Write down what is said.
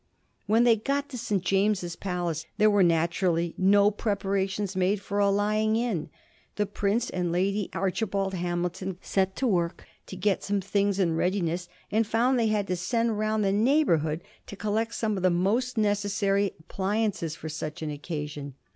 When they got to St. James's Palace there were naturally no preparations made for a lying in. The prince and Lady Archibald Hamilton set to work to get some things in readiness, and found they had to send round the neighborhood to collect some of the most necessary appli ances for such an occasion.